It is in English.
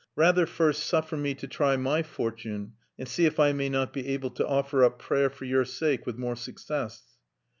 "Rather first suffer me to try my fortune, and see if I may not be able to offer up prayer for your sake with more success."